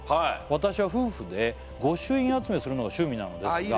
「私は夫婦で御朱印集めをするのが趣味なのですが」